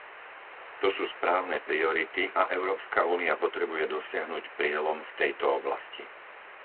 To sú správne priority, a Európska únia potrebuje dosiahnuť prielom v tejto oblasti.